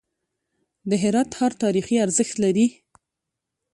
د هرات ښار تاریخي ارزښت لري.